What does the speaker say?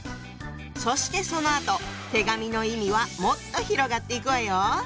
そしてそのあと手紙の意味はもっと広がっていくわよ！